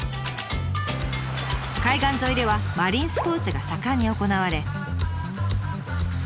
海岸沿いではマリンスポーツが盛んに行われ。